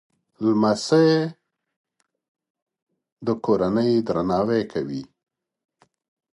لمسی د کورنۍ درناوی کوي.